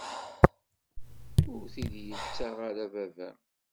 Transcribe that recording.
Ur t-id-yettaɣ ara baba-m.